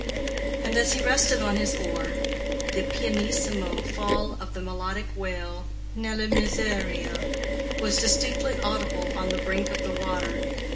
] and, as he rested on his oar, the pianissimo fall of the melodic wail "nella miseria" was distinctly audible on the brink of the water.